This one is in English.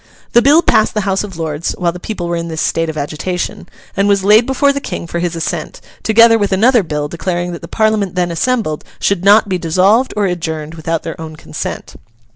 The bill passed the House of Lords while the people were in this state of agitation, and was laid before the King for his assent, together with another bill declaring that the Parliament then assembled should not be dissolved or adjourned without their own consent.